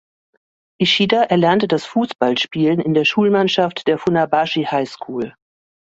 Ishida erlernte das Fußballspielen in der Schulmannschaft der "Funabashi High School".